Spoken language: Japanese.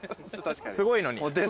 すごいのに。